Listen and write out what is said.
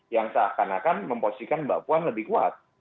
yang seakan akan memposisikan mbak puan lebih kuat